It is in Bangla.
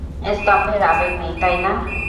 স্তম্ভের আবেগ নেই, তাই না?